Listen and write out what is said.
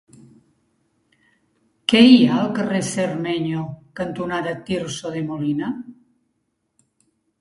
Què hi ha al carrer Cermeño cantonada Tirso de Molina?